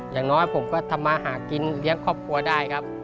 อย่างน้อยผมก็ทำมาหากินเลี้ยงครอบครัวได้ครับ